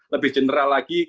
lebih general lagi